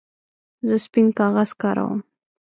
زه سپین کاغذ کاروم.